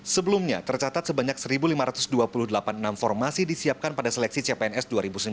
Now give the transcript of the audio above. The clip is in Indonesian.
sebelumnya tercatat sebanyak satu lima ratus dua puluh delapan enam formasi disiapkan pada seleksi cpns dua ribu sembilan belas